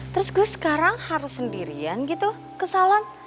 terus gue sekarang harus sendirian gitu ke salon